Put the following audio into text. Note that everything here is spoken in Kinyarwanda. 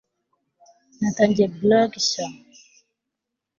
natangiye blog nshya